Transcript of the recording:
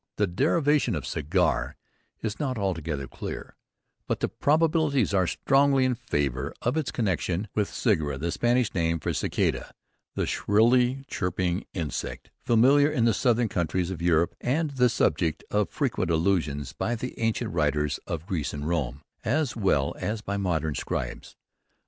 The derivation of "cigar" is not altogether clear; but the probabilities are strongly in favour of its connexion with "cigarra," the Spanish name for the cicada, the shrilly chirping insect familiar in the southern countries of Europe, and the subject of frequent allusions by the ancient writers of Greece and Rome, as well as by modern scribes.